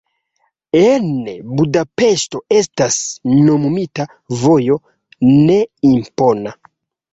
En Budapeŝto estas nomumita vojo, ne impona.